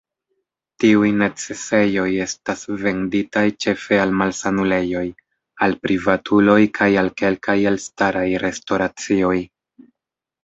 Tiuj necesejoj estas venditaj ĉefe al malsanulejoj, al privatuloj kaj al kelkaj elstaraj restoracioj.